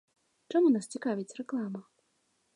Чаму нас цікавіць рэклама?